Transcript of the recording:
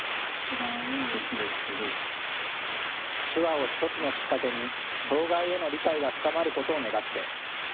手話を一つのきっかけに、障害への理解が深まることを願って。